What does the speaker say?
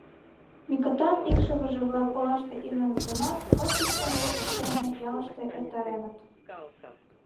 Микытан икшывыже-влак олаште иленыт гынат, отпускым ешышт дене ялыште эртареныт.